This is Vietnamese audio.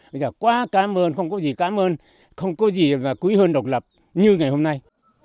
bây giờ quá cảm ơn không có gì cảm ơn không có gì và quý hơn độc lập như ngày hôm nay